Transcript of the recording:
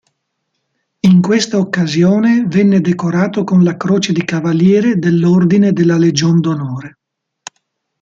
In questa occasione venne decorato con la croce di cavaliere dell'Ordine della Legion d'Onore.